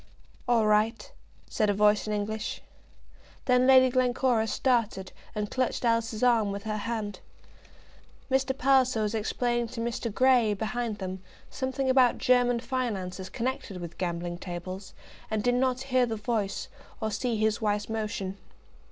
"All right," said a voice in English. Then Lady Glencora started and clutched Alice's arm with her hand. Mr. Palliser was explaining to Mr. Grey, behind them, something about German finance as connected with gambling tables, and did not hear the voice, or see his wife's motion.